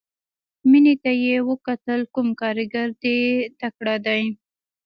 مينې ته يې وکتل کوم کارګر دې تکړه دى.